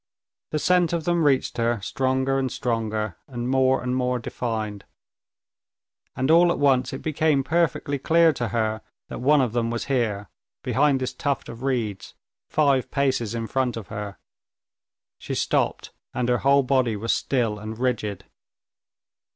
The scent of them reached her, stronger and stronger, and more and more defined, and all at once it became perfectly clear to her that one of them was here, behind this tuft of reeds, five paces in front of her; she stopped, and her whole body was still and rigid.